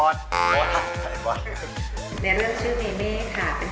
เราอยากรู้ว่าวิ้งเรี้ยน